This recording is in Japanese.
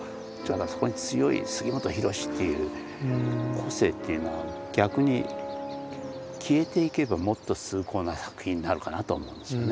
そこに強い杉本博司っていう個性っていうのは逆に消えていけばもっと崇高な作品になるかなと思うんですよね。